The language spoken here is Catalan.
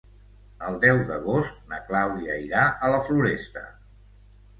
El deu d'agost na Clàudia irà a la Floresta.